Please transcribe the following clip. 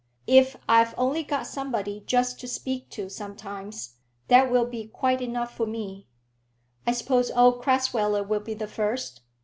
If I've only got somebody just to speak to sometimes, that will be quite enough for me. I suppose old Crasweller will be the first?"